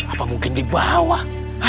apa mungkin di bawah